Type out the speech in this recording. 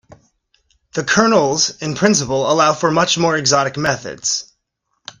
The kernels in principle allow for much more exotic methods.